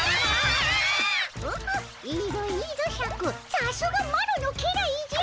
さすがマロの家来じゃ。